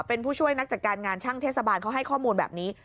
เป็นผู้ช่วยนักจัดการงานช่างเทศบาลเขาให้ข้อมูลแบบนี้